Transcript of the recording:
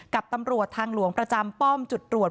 กับตำรวจทางหลวงประจำป้อมจุดตรวจ